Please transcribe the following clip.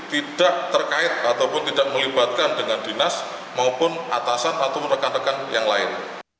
tidak terkait ataupun tidak melibatkan dengan dinas maupun atasan ataupun rekan rekan yang lain